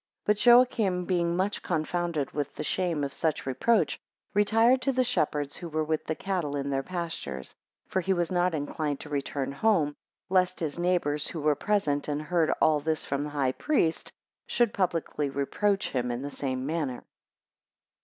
11 But Joachim being much confounded with the shame of such reproach, retired to the shepherds who were with the cattle in their pastures; 12 For he was not inclined to return home, lest his neighbours, who were present and heard all this from the high priest, should publicly reproach him in the same manner.